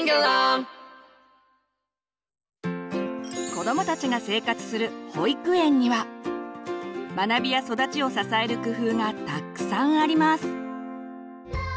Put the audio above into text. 子どもたちが生活する保育園には学びや育ちを支える工夫がたくさんあります。